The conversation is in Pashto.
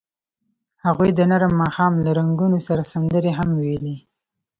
هغوی د نرم ماښام له رنګونو سره سندرې هم ویلې.